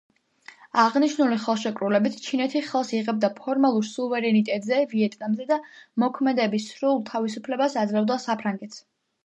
აღნიშნული ხელშეკრულებით ჩინეთი ხელს იღებდა ფორმალურ სუვერენიტეტზე ვიეტნამზე და მოქმედების სრულ თავისუფლებას აძლევდა საფრანგეთს.